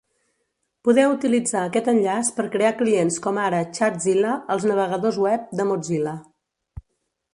Podeu utilitzar aquest enllaç per crear clients com ara ChatZilla als navegadors web de Mozilla.